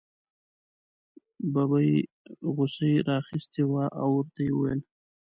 ببۍ غوسې را اخیستې وه او ورته یې وویل.